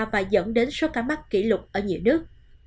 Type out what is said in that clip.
và dẫn đến số ca mắc kỷ lục ở nhiều nước